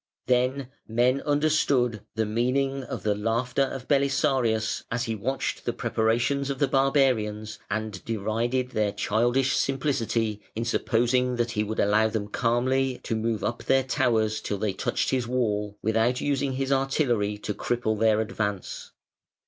Then men understood the meaning of the laughter of Belisarius as he watched the preparations of the barbarians and derided their childish simplicity in supposing that he would allow them calmly to move up their towers till they touched his wall, without using his artillery to cripple their advance.